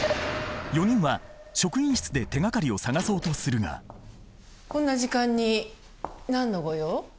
４人は職員室で手がかりを探そうとするがこんな時間に何のご用？